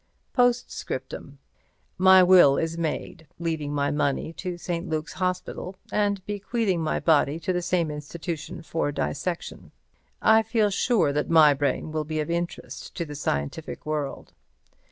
Post Scriptum: My will is made, leaving my money to St. Luke's Hospital, and bequeathing my body to the same institution for dissection. I feel sure that my brain will be of interest to the scientific world.